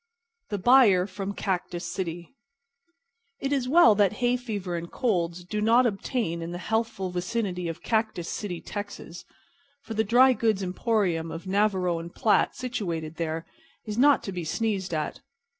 THE BUYER FROM CACTUS CITY It is well that hay fever and colds do not obtain in the healthful vicinity of Cactus City, Texas, for the dry goods emporium of Navarro & Platt, situated there, is not to be sneezed at.